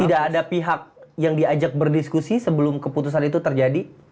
tidak ada pihak yang diajak berdiskusi sebelum keputusan itu terjadi